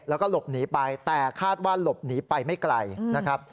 แล้วก็หลบหนีไปแต่คาดว่าหลบหนีไปไม่ไกลนะครับ